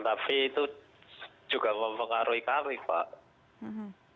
tapi itu juga mempengaruhi kami pak